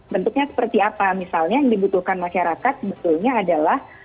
bentuknya seperti apa misalnya yang dibutuhkan masyarakat sebetulnya adalah